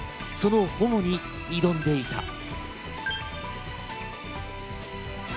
その保護に挑んでいた。